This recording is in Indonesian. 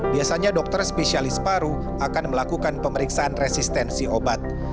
biasanya dokter spesialis paru akan melakukan pemeriksaan resistensi obat